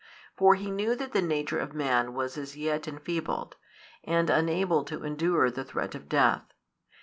For He knew that the nature of man was as yet enfeebled, |230 and unable to endure the threat of death.